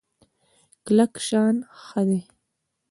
کلک شان ښه دی.